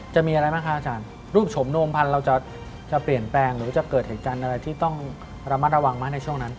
จะมีอะไรบ้างคะอาจารย์รูปโฉมโนมพันธุ์เราจะเปลี่ยนแปลงหรือจะเกิดเหตุการณ์อะไรที่ต้องระมัดระวังไหมในช่วงนั้น